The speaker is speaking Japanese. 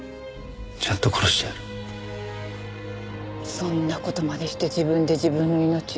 そんな事までして自分で自分の命を。